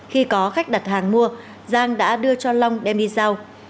khi có khách đặt hàng mua giang đã đưa cho long đem đi giao